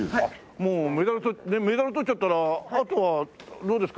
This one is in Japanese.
もうメダル取っちゃったらあとはどうですか？